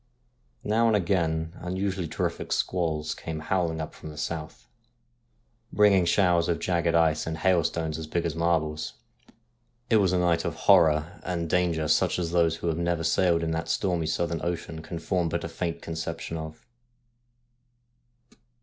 Now and again unusu ally terrific squalls came howling up from the south, bringing showers of jagged ice and hailstones as big as marbles. It was a night of horror and danger such as those who have never sailed in that stormy southern ocean can form but a faint conception of.